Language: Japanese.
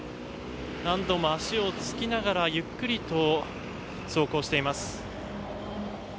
何度も足をつきながらゆっくりと走行しています。